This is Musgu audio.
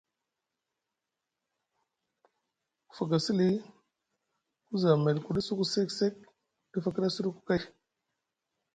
Ku fakasi lii ku za emel ku ɗa suku sek sek ɗif a kiɗa a suɗuku kay.